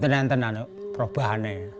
saya tidak mau mencoba